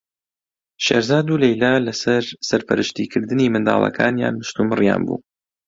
شێرزاد و لەیلا لەسەر سەرپەرشتیکردنی منداڵەکانیان مشتومڕیان بوو.